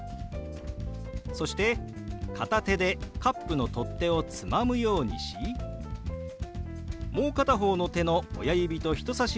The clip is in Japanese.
そして片手でカップの取っ手をつまむようにしもう片方の手の親指と人さし指をつまみかき混ぜるように動かします。